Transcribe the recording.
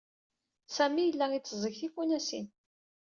Sami yella itteẓẓeg tifunasin.